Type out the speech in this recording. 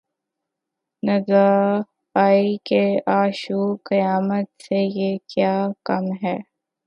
ندا آئی کہ آشوب قیامت سے یہ کیا کم ہے